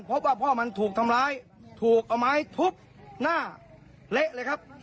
พ่อมันถูกทำร้ายถูกเอาไม้ทุบหน้าเละเลยครับ